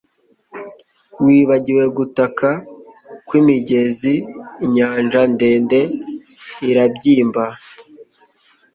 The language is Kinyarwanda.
Wibagiwe gutaka kwimigezi inyanja ndende irabyimba